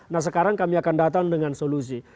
nah sekarang kami akan datang dengan solusi